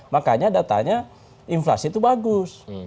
makanya datanya inflasi itu bagus